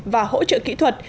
và hỗ trợ kỹ thuật